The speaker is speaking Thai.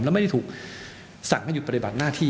และไม่ได้ถูกสั่งให้หยุดปฏิบัติหน้าที่